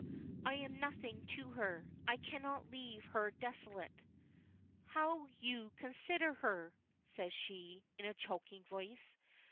I am nothing to her. I cannot leave her desolate." "How you consider her!" says she, in a choking voice.